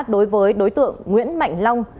đối với đối tượng nguyễn mạnh long